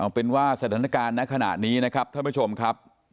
เป็นว่าสถานการณ์ในขณะนี้นะครับท่านผู้ชมครับ